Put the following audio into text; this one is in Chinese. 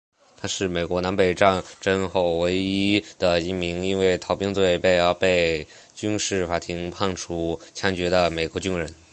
他是美国南北战争后唯一的一名因为逃兵罪而被军事法庭判处枪决的美国军人。